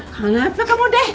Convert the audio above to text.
kau ngapain kamu deh